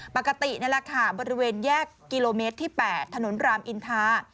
ปกตินี่แหละค่ะบริเวณแยกกิโลเมตรที่๘ถนนรามอินทา